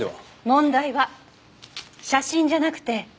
問題は写真じゃなくてここ。